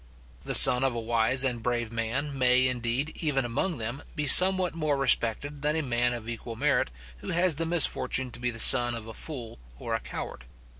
The son of a wise and brave man may, indeed, even among them, be somewhat more respected than a man of equal merit, who has the misfortune to be the son of a fool or a coward.